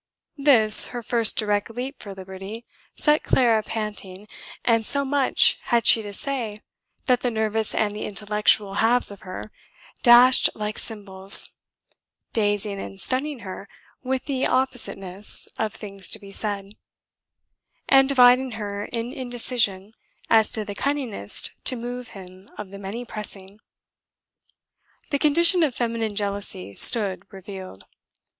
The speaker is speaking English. This, her first direct leap for liberty, set Clara panting, and so much had she to say that the nervous and the intellectual halves of her dashed like cymbals, dazing and stunning her with the appositeness of things to be said, and dividing her in indecision as to the cunningest to move him of the many pressing. The condition of feminine jealousy stood revealed.